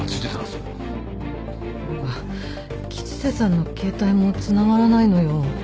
それが吉瀬さんの携帯も繋がらないのよ。